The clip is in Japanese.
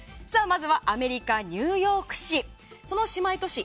まずはアメリカ・ニューヨーク市。